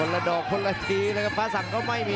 รักทุกคน